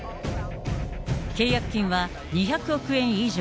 契約金は２００億円以上。